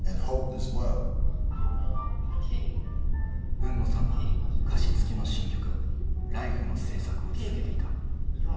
海野さんは歌詞つきの新曲「Ｌｉｆｅ」の制作を続けていた。